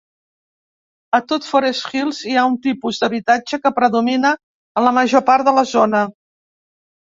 A tot Forest Hill, hi ha un tipus d'habitatge que predomina a la major part de la zona.